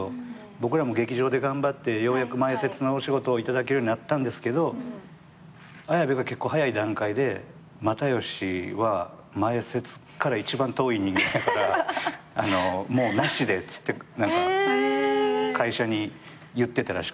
僕らも劇場で頑張ってようやく前説の仕事を頂けるようになったんですけど綾部が結構早い段階で「又吉は前説から一番遠い人間だからもうなしで」って会社に言ってたらしくて。